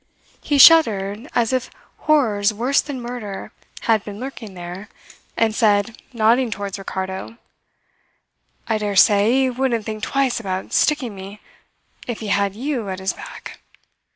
He shuddered as if horrors worse than murder had been lurking there, and said, nodding towards Ricardo: "I dare say he wouldn't think twice about sticking me, if he had you at his back!